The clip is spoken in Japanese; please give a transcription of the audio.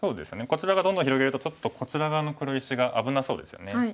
こちら側どんどん広げるとちょっとこちら側の黒石が危なそうですよね。